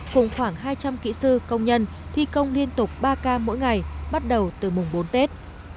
cùng khoảng hai trăm linh kỹ sư công nhân thi công liên tục ba k mỗi ngày bắt đầu từ mùng bốn tết